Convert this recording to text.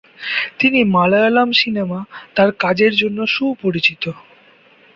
তিনি মালায়ালম সিনেমা তার কাজের জন্য সুপরিচিত।